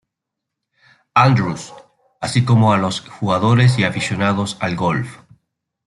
Andrews, así como a los jugadores y aficionados al golf.